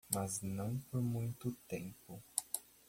Mas não por muito tempo.